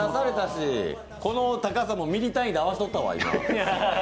この高さもミリ単位で合わしとったわ、今。